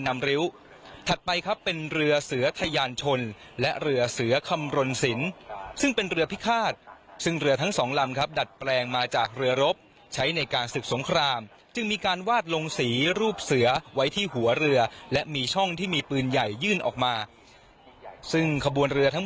พระราชพิธีทางของพระราชพิธีทางของพระราชพิธีทางของพระราชพิธีทางของพระราชพิธีทางของพระราชพิธีทางของพระราชพิธีทางของพระราชพิธีทางของพระราชพิธีทางของพระราชพิธีทางของพระราช